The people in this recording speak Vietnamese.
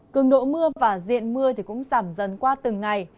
cường độ mưa và diện mưa cũng giảm dần qua từng ngày